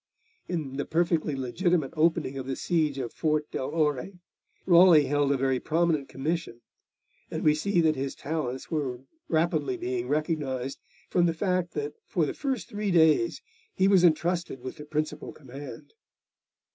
In the perfectly legitimate opening of the siege of Fort del Ore, Raleigh held a very prominent commission, and we see that his talents were rapidly being recognised, from the fact that for the first three days he was entrusted with the principal command.